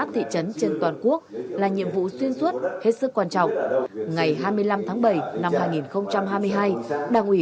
trên toàn quốc là nhiệm vụ xuyên suốt hết sức quan trọng ngày hai mươi năm tháng bảy năm hai nghìn hai mươi hai đảng ủy